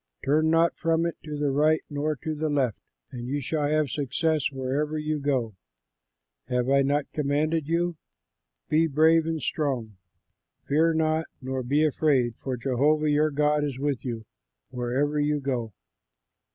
Turn not from it to the right nor to the left, and you shall have success wherever you go. Have I not commanded you? Be brave and strong; fear not nor be afraid, for Jehovah your God is with you wherever you go."